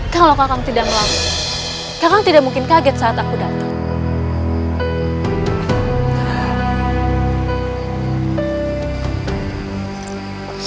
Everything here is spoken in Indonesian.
kalau kakang tidak melamun kakang tidak mungkin kaget saat aku datang